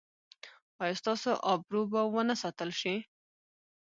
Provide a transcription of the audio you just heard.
ایا ستاسو ابرو به و نه ساتل شي؟